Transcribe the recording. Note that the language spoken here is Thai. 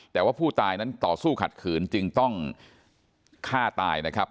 แต่ว่าผู้ตายนั้นต่อสู้ขัดขืนจึงต้องฆ่าตายนะครับ